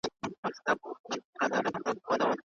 او روان دی